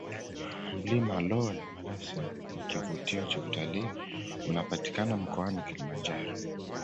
mlima lool malasin ni kivutio cha utalii unapatikana mkoani Kilimanjaro